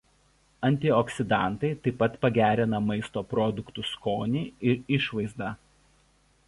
Antioksidantai taip pat pagerina maisto produktų skonį ir išvaizdą.